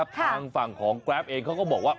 ทางฝั่งของแกรปเองเขาก็บอกว่า